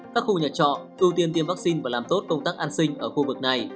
các khu nhà trọ ưu tiên tiêm vaccine và làm tốt công tác an sinh ở khu vực này